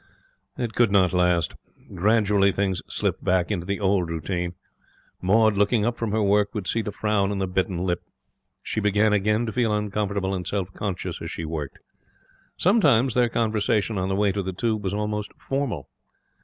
It could not last. Gradually things slipped back into the old routine. Maud, looking up from her work, would see the frown and the bitten lip. She began again to feel uncomfortable and self conscious as she worked. Sometimes their conversation on the way to the Tube was almost formal.